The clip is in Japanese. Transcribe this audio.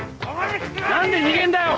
何で逃げんだよ？